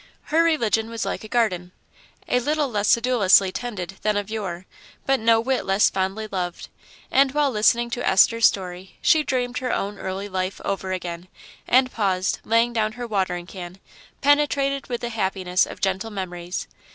Her religion was like a garden a little less sedulously tended than of yore, but no whit less fondly loved; and while listening to Esther's story she dreamed her own early life over again, and paused, laying down her watering can, penetrated with the happiness of gentle memories.